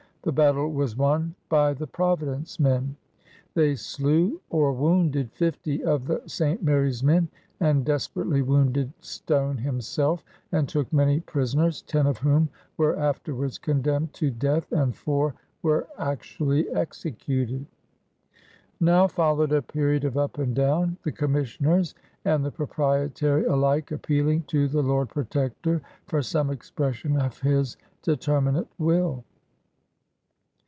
The battle was won by the Providence men. They slew or wounded fifty of the St. Mary*s men and desper ately wounded Stone himself and took many pris oners, ten of whom were afterwards condemned to death and four were actually executed. Now followed a period of up and down, the Commissioners and the Proprietary alike appeal ing to the Lord Protector for some expression of his "determinate will.